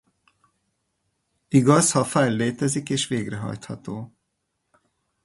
Igaz ha a file létezik és végrehajtható.